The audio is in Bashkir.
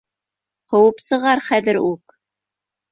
Ҡыуып сығар хәҙер үк!